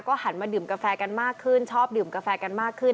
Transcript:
หันมาดื่มกาแฟกันมากขึ้นชอบดื่มกาแฟกันมากขึ้น